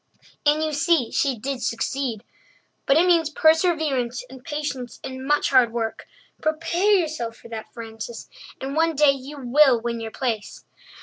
And you see she did succeed. But it means perseverance and patience and much hard work. Prepare yourself for that, Frances, and one day you will win your place.